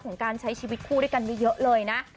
ของการใช้ชีวิตคู่ด้วยกันไว้เยอะเลยนะ